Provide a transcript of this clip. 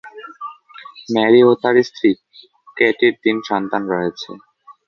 Mary ও তার স্ত্রী কেটির তিন সন্তান রয়েছে।